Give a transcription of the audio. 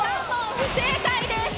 不正解です。